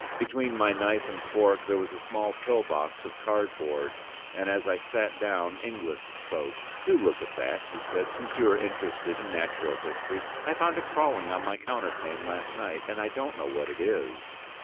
Between my knife and fork there was a small pill box of cardboard, and as I sat down Inglis spoke. "Do look at that," he said, "since you are interested in natural history. I found it crawling on my counterpane last night, and I don't know what it is."